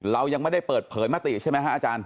เรายังไม่ได้เปิดเผยมติใช่ไหมฮะอาจารย์